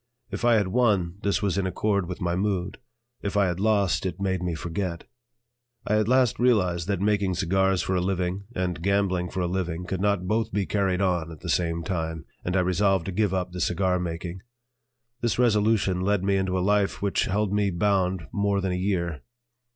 If I had won, this was in accord with my mood; if I had lost, it made me forget. I at last realized that making cigars for a living and gambling for a living could not both be carried on at the same time, and I resolved to give up the cigar making. This resolution led me into a life which held me bound more than a year.